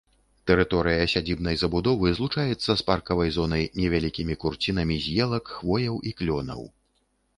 Тэрыторыя сядзібнай забудовы злучаецца з паркавай зонай невялікімі курцінамі з елак, хвояў і клёнаў.